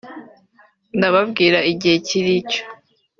nkababwira igihe kiri cyo